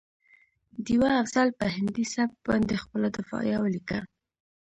ډيوه افضل په هندي سبک باندې خپله دفاعیه ولیکه